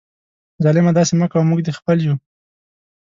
ظالمه داسي مه کوه ، موږ دي خپل یو